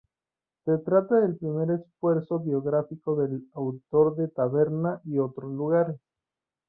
Se trata del primer esfuerzo biográfico del autor de Taberna y otros lugares.